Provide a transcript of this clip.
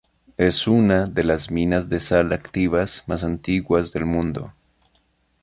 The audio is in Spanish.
Es una de las minas de sal activas más antiguas del mundo.